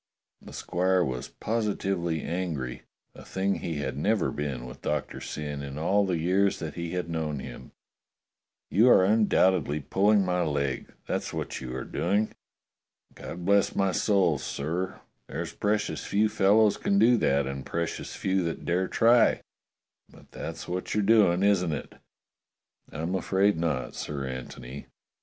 The squire was positively angry, a thing he had never been with Doctor Syn in all the years that he had known him. "You are undoubtedly pulling my leg — that's what you're doing. God bless my soul, sir, there's precious few fellows can do that, and precious few that dare try; but that's what you're doing, isn't it?" "I'm afraid not. Sir Antony.